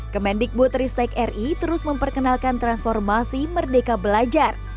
kemendikbud ristek ri terus memperkenalkan transformasi merdeka belajar